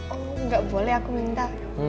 oh nggak boleh aku minta